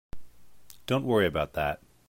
Don't worry about that.